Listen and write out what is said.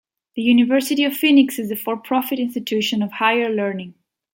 The University of Phoenix is a for-profit institution of higher learning.